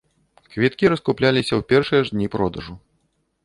Квіткі раскупляліся ў першыя ж дні продажу.